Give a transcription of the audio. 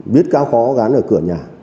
viết cao khó gắn ở cửa nhà